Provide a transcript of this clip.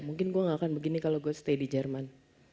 mungkin gue gak akan begini kalau gue stay di jerman